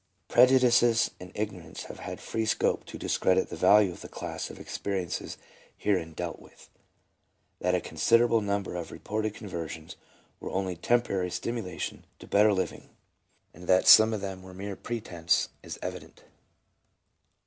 Prejudices and ignorance have had free scope to discredit the value of the class of experiences herein dealt with. That a considerable number of reported conversions were only temporary stimulation to better living, and that some of them were mere pretence, is evident.